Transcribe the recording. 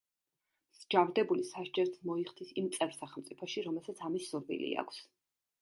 მსჯავრდებული სასჯელს მოიხდის იმ წევრ სახელმწიფოში, რომელსაც ამის სურვილი აქვს.